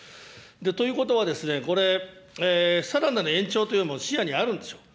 ということは、これ、さらなる延長というのも視野にあるんでしょうか。